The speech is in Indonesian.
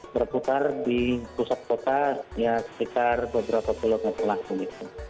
berputar di pusat kota ya sekitar beberapa pulau pulau selangsung itu